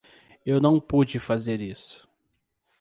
Eu não pude fazer isso.